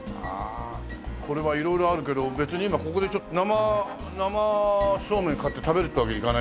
これは色々あるけど別に今ここでちょっと生そうめん買って食べるってわけにいかないからさ。